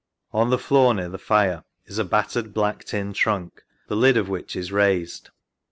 On the floor, near the fire, is a battered black tin trunk, the lid of which is raised.